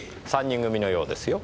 ３人組のようですよ。